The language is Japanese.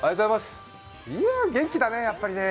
元気だね、やっぱりね。